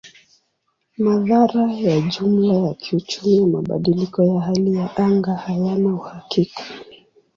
Madhara ya jumla ya kiuchumi ya mabadiliko ya hali ya anga hayana uhakika.